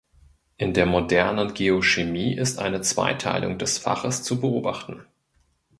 In der modernen Geochemie ist eine Zweiteilung des Faches zu beobachten.